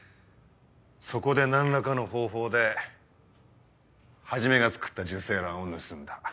そこで何らかの方法で始がつくった受精卵を盗んだ。